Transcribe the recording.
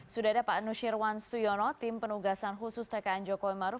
sudah ada pak nusirwan suyono tim penugasan khusus tkn joko ima ruf